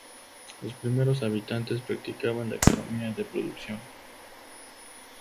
Los primeros habitantes practicaban la economía de producción.